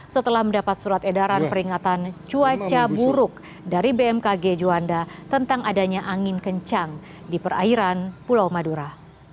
setelah mendapat surat edaran peringatan cuaca buruk dari bmkg juanda tentang adanya angin kencang di perairan pulau madura